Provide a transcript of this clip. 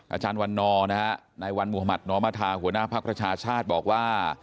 อาจารย์วันนอร์นะฮะในวันมุหมาศน้อมภาษาหัวหน้าพักประชาชาชบอกว่า